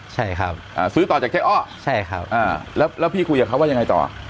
ใช่ครับซื้อต่อจากเจ๊อ้อใช่ครับแล้วพี่คุยกับเขาว่ายังไงต่อ